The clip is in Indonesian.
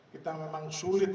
kita memang sulit